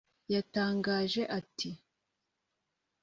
yatangaje ati